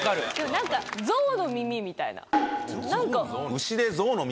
何かゾウのミミみたいな。